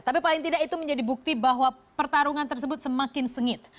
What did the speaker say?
tapi paling tidak itu menjadi bukti bahwa pertarungan tersebut semakin sengit